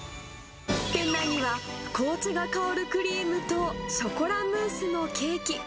店内には、紅茶が香るクリームとショコラムースのケーキ。